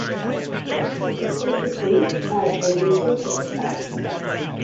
He dismisses this as "a useless exercise".